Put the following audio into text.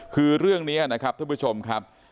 คือเรื่องนี้นะครับท่านผู้ชมครับ